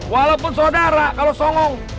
walaupun saudara kalau songong